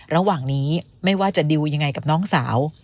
ระหว่างนี้ไม่ว่าจะดิวยังไงกับน้องสาว